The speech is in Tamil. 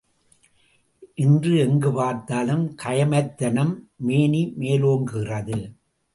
இன்று எங்குப் பார்த்தாலும் கயமைத்தனம் மேனி மேலோங்குகிறது.